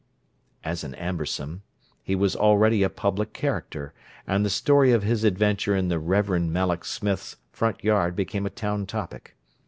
As an Amberson, he was already a public character, and the story of his adventure in the Reverend Malloch Smith's front yard became a town topic.